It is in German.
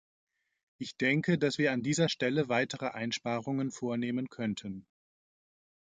Ich denke, dass wir an dieser Stelle weitere Einsparungen vornehmen könnten.